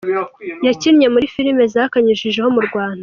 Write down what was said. Yakinnye muri filime zakanyujijeho mu Rwanda.